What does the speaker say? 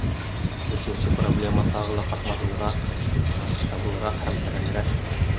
Өсөнсө проблема тағы ла ҡатмарлыраҡ, масштаблыраҡ һәм тәрәнерәк.